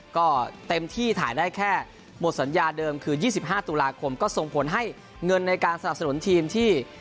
ก็เต็มที่ถ่ายได้แค่หมดสัญญาเดิมคือ๒๕ตุลาคมก็ส่งผลให้เงินในการสนับสนุนทีมที่